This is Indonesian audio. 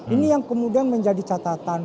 ini yang kemudian menjadi catatan